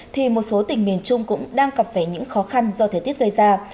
thì một số tỉnh miền trung cũng đang gặp phải những khó khăn do thời tiết gây ra